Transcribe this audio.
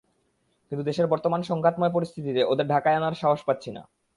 কিন্তু দেশের বর্তমান সংঘাতময় পরিস্থিতিতে ওদের ঢাকায় আনার সাহস পাচ্ছি না।